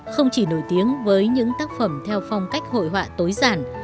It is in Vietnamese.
không chỉ nổi tiếng với những tác phẩm theo phong cách hội họa tối giản